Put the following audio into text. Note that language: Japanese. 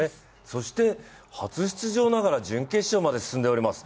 そして初出場ながら準決勝まで進んでおります。